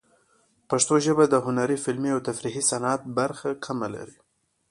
پښتو ژبه د هنري، فلمي، او تفریحي صنعت برخه کمه لري.